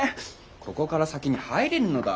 ここから先に入れぬのだ。